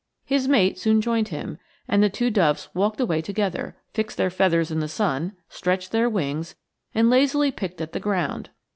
His mate soon joined him, and the two doves walked away together, fixed their feathers in the sun, stretched their wings, and lazily picked at the ground.